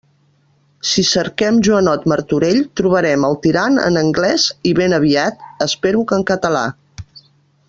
Si cerquem “Joanot Martorell” trobaren el Tirant en anglès, i ben aviat, espero que en català.